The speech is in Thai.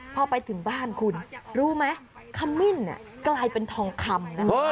พอไปถึงบ้านคุณรู้ไหมขมิ้นกลายเป็นทองคำนะ